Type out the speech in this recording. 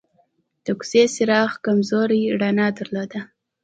د کوڅې څراغ کمزورې رڼا درلوده.